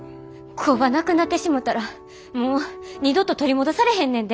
工場なくなってしもたらもう二度と取り戻されへんねんで。